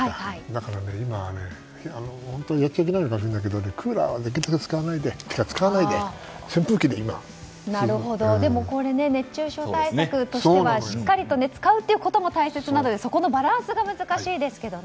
だから本当はやっちゃいけないのかもしれないけどクーラーはできるだけ使わないでこれで熱中症対策としてはしっかりと使うことも大切なのでそこのバランスが難しいですけど。